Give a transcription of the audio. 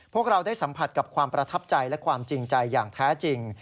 พวกเราได้สัมผัสกับความประทับใจและความจริงใจอย่างแท้จริง